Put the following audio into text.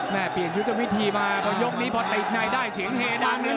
เปลี่ยนยุทธวิธีมาพอยกนี้พอติดในได้เสียงเฮดังเลย